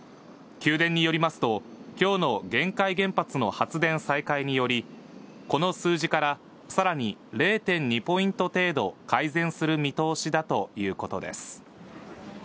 九電によりますと、きょうの玄海原発の発電再開により、この数字からさらに０．２ポイント程度改善する見通しだということです。